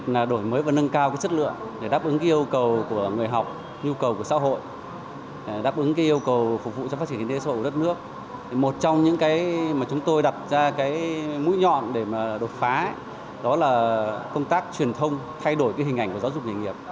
trong thời gian vừa rồi chúng tôi đã đặt ra mũi nhọn để đột phá công tác truyền thông thay đổi hình ảnh giáo dục nghề nghiệp